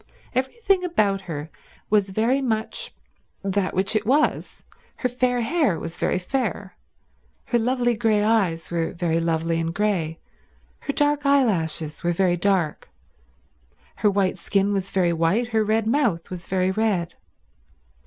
Everything about her was very much that which it was. Her fair hair was very fair, her lovely grey eyes were very lovely and grey, her dark eyelashes were very dark, her white skin was very white, her red mouth was very red.